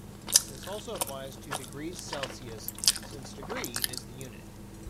This also applies to "degrees Celsius", since "degree" is the unit.